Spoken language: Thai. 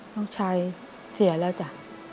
น้องชายเสียแล้วจ้ะ